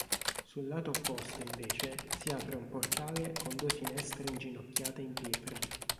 Sul lato opposto invece si apre un portale con due finestre inginocchiate in pietra.